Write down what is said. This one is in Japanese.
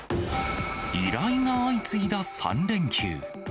依頼が相次いだ３連休。